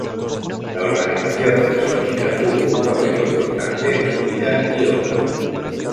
La organización masónica tuvo un papel importante en su vida y obra.